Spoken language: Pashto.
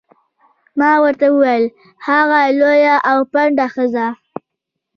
ما ورته وویل: هغه لویه او پنډه ښځه.